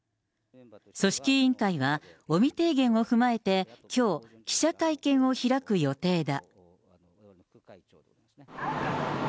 組織委員会は、尾身提言を踏まえて、きょう、記者会見を開く予定だ。